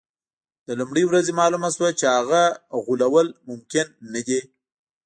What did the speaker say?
له لومړۍ ورځې معلومه شوه چې هغه غولول ممکن نه دي.